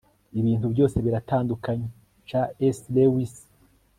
ibintu byose biratandukanye - c s lewis